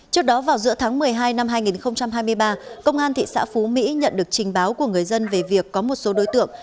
trước đó vào giữa tháng một mươi hai năm hai nghìn hai mươi ba công an thị xã phú mỹ nhận được trình báo của người dân về việc có một số đối tượng